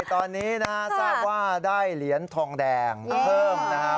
ตอนนี้นะฮะทราบว่าได้เหรียญทองแดงเพิ่มนะฮะ